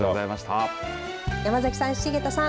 山崎さん重田さん